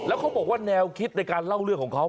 แล้วเขาบอกว่าแนวคิดในการเล่าเรื่องของเขา